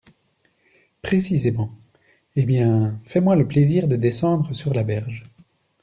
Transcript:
Précisément ! eh bien, fais-moi le plaisir de descendre sur la berge…